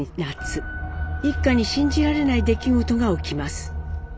一家に信じられない出来事が起きます。